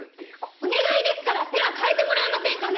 お願いですからペアかえてもらえませんかね！